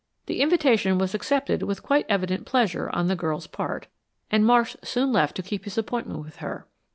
The invitation was accepted with quite evident pleasure on the girl's part, and Marsh soon left to keep his appointment with her.